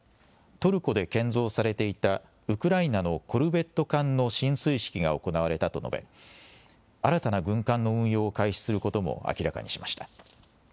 トルコで建造されていたウクライナのコルベット艦の進水式が行われたと述べ、新たな軍艦の運用を開始することも明らかにしました。